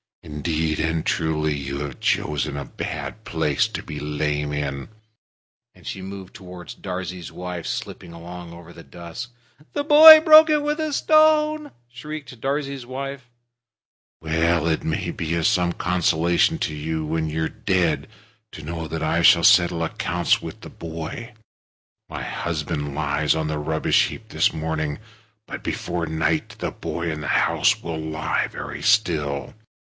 Indeed and truly, you've chosen a bad place to be lame in." And she moved toward Darzee's wife, slipping along over the dust. "The boy broke it with a stone!" shrieked Darzee's wife. "Well! It may be some consolation to you when you're dead to know that I shall settle accounts with the boy. My husband lies on the rubbish heap this morning, but before night the boy in the house will lie very still.